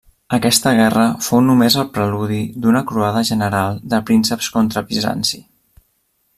Aquesta guerra fou només el preludi d'una croada general de prínceps contra Bizanci.